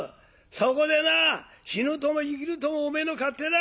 そこでな死ぬとも生きるともお前の勝手だ。